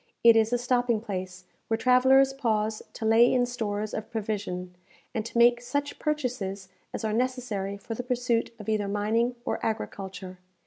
It is a stopping place, where travellers pause to lay in stores of provision, and to make such purchases as are necessary for the pursuit of either mining or agriculture.